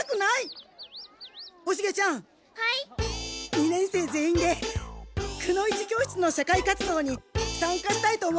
二年生全員でくの一教室の社会活動にさんかしたいと思います。